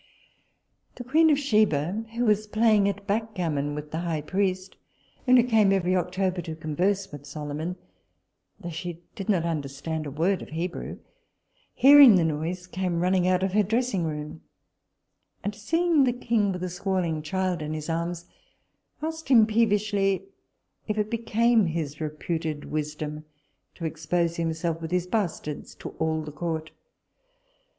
The queen of Sheba, who was playing at backgammon with the high priest, and who came every October to converse with Solomon, though she did not understand a word of Hebrew, hearing the noise, came running out of her dressing room; and seeing the king with a squalling child in his arms, asked him peevishly, if it became his reputed wisdom to expose himself with his bastards to all the court?